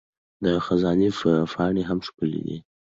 د خزان پاڼې هم ښکلي دي.